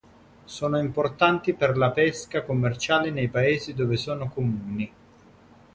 Sono importanti per la pesca commerciale nei paesi dove sono comuni.